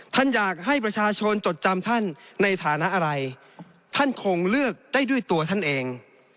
ท่านอยากให้ประชาชนจดจำท่านในฐานะอะไรท่านคงเลือกได้ด้วยตัวท่านเอง